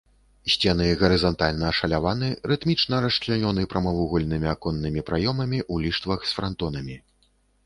Сцены гарызантальна ашаляваны, рытмічна расчлянёны прамавугольнымі аконнымі праёмамі ў ліштвах з франтонамі.